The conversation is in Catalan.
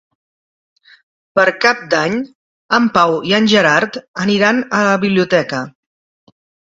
Per Cap d'Any en Pau i en Gerard aniran a la biblioteca.